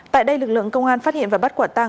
tại đây lực lượng công an phát hiện và bắt quả tăng